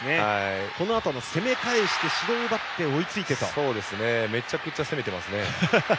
このあとに攻め返して指導を奪ってめちゃくちゃ攻めてますね。